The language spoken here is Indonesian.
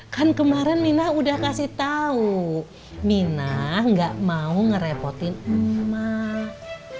kan kemarin mina udah kasih tau mina gak mau ngerepotin emak emak